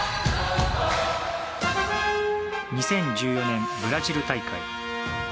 ２０１４年ブラジル大会。